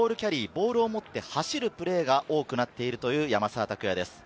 ボールを持って走るプレーが多くなっている山沢拓也です。